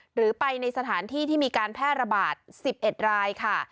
หรือไปในสถานที่ที่มีการแพร่ระบาด๑๑รายค่ะ